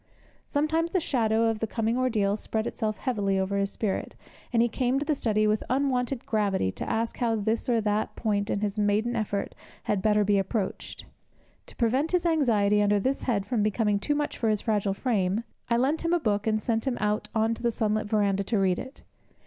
Sometimes the shadow of the coming ordeal spread itself heavily over his spirit, and he came to the study with unwonted gravity to ask how this or that point in his maiden effort had better be approached. To prevent his anxiety under this head from becoming too much for his fragile frame, I lent him a book, and sent him out on to the sunlit verandah to read it.